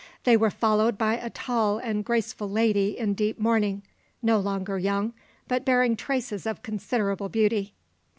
They were followed by a tall and graceful lady in deep mourning, no longer young, but bearing traces of considerable beauty.